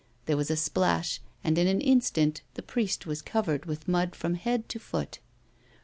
There was a splash, and, in an inst; int, the priest was covered with mud from head to foot.